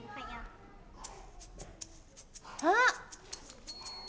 あっ。